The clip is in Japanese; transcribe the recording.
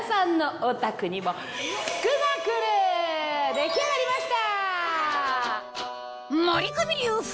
出来上がりました！